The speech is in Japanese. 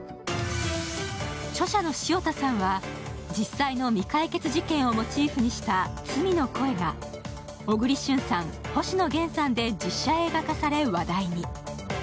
著者の塩田さんは実際の未解決事件をモチーフにした「罪の声」が小栗旬さん、星野源さんで実写映画化され話題に。